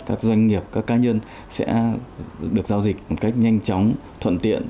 các doanh nghiệp các cá nhân sẽ được giao dịch một cách nhanh chóng thuận tiện